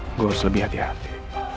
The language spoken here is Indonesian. harus lebih hati hati